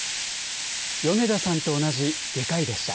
米田さんと同じ外科医でした。